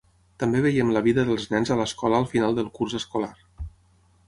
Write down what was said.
També veiem la vida dels nens a l'escola al final del curs escolar.